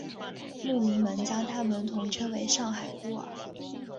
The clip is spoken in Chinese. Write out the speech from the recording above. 牧民们将他们统称为上海孤儿。